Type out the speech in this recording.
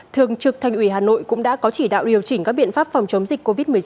thường trực thành ủy hà nội cũng đã có chỉ đạo điều chỉnh các biện pháp phòng chống dịch covid một mươi chín